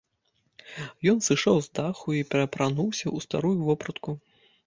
Ён сышоў з даху і пераапрануўся ў старую вопратку.